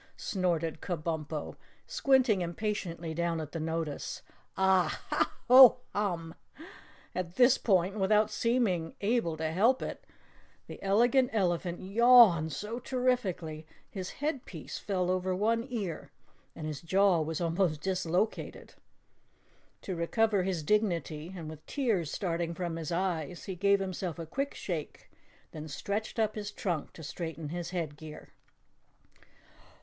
snorted Kabumpo, squinting impatiently down at the notice. "Ah, Hah! HOH, HUM!" At this point, and without seeming able to help it, the Elegant Elephant yawned so terrifically his head piece fell over one ear, and his jaw was almost dislocated. To recover his dignity and with tears starting from his eyes, he gave himself a quick shake, then stretched up his trunk to straighten his headgear.